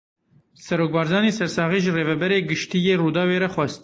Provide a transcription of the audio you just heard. Serok Barzanî sersaxî ji Rêveberê Giştî yê Rûdawê re xwest.